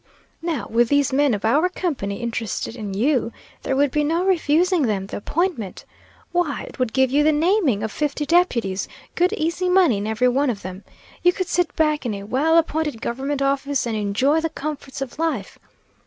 Now with these men of our company interested in you, there would be no refusing them the appointment. Why, it would give you the naming of fifty deputies good easy money in every one of them. You could sit back in a well appointed government office and enjoy the comforts of life.